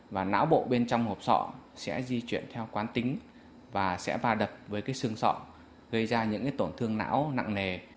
và não bộ bên trong hộp sọ sẽ di chuyển theo quán tính và sẽ va đập với cái xương sọ gây ra những tổn thương não nặng nề